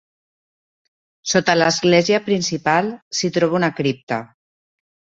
Sota l'església principal s'hi troba una cripta.